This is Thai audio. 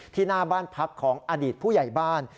หน้าบ้านพักของอดีตผู้ใหญ่บ้าน